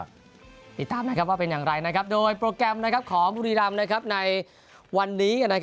ติดตามว่าเป็นอย่างไรโดยโปรแกรมของบุรีรำในวันนี้